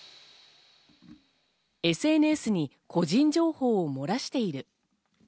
ＳＮＳに個人情報を漏らしている。